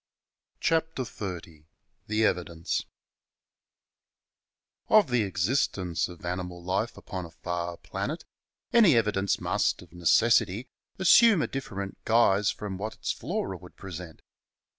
CHAPTER XXX EVIDENCE i~\ F the existence of animal life upon a far planet any evidence must, of necessity, assume a differ ent guise from what its flora would present.